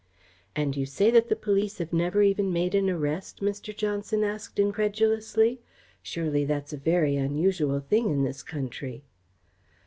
"And you say that the police have never even made an arrest," Mr. Johnson asked incredulously. "Surely that's a very unusual thing in this country?"